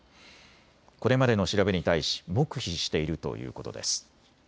これまでの調べに対し黙秘しているということです。